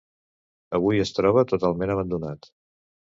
Avui es troba totalment abandonat.